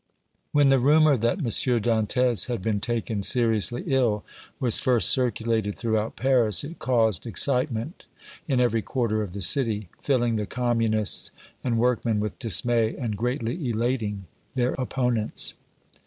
When the rumor that M. Dantès had been taken seriously ill was first circulated throughout Paris, it caused excitement in every quarter of the city, filling the Communists and workmen with dismay and greatly elating their opponents.